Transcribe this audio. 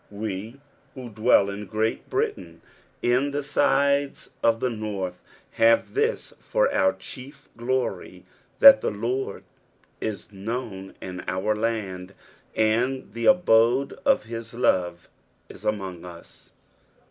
We who dwell in Great Britain in the sides of the north, have this for our chief glory, that the Lord is known in our land, and the abode of his love is among ue.